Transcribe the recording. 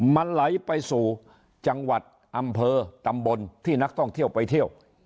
มันไหลไปสู่จังหวัดอำเภอตำบลที่นักท่องเที่ยวไปเที่ยว